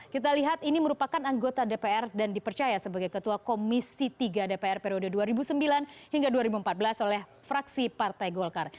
kita lihat ini merupakan anggota dpr dan dipercaya sebagai ketua komisi tiga dpr periode dua ribu sembilan hingga dua ribu empat belas oleh fraksi partai golkar